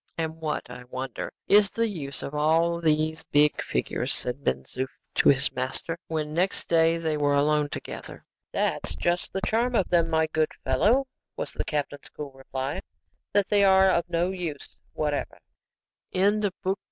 "And what, I wonder, is the use of all these big figures?" said Ben Zoof to his master, when next day they were alone together. "That's just the charm of them, my good fellow," was the captain's cool reply, "that they are of no use whatever." CHAPTER VIII.